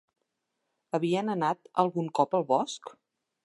Havien anat algun cop al bosc?